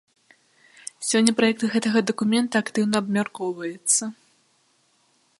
Сёння праект гэтага дакумента актыўна абмяркоўваецца.